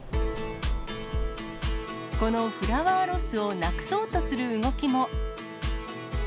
このフラワーロスをなくそうとする動きも。